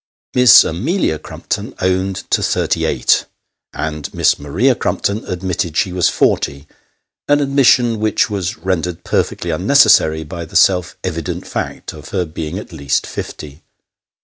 Miss Amelia Crumpton owned to thirty eight, and Miss Maria Crumpton admitted she was forty ; an admission which was rendered perfectly unnecessary by the self evident fact of her being at least fifty.